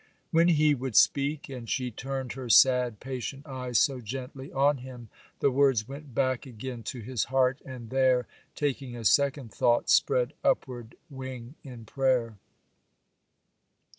When he would speak, and she turned her sad, patient eyes so gently on him, the words went back again to his heart, and there, taking a second thought, spread upward wing in prayer.